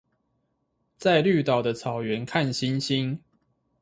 在綠島的草原看星星